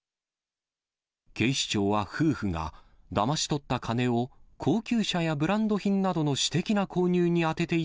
警視庁は夫婦が、だまし取った金を高級車やブランド品などの私的な購入に充ててい